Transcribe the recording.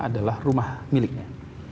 adalah rumah miliknya